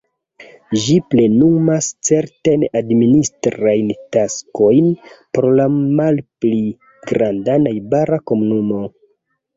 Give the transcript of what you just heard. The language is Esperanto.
Ĝi plenumas certajn administrajn taskojn por la malpli granda najbara komunumo.